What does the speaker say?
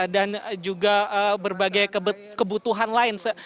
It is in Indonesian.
dan juga berbagai kebutuhan lain